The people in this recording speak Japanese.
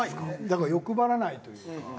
だから欲張らないというか。